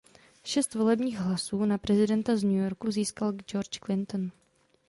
Šest volebních hlasů na prezidenta z New Yorku získal George Clinton.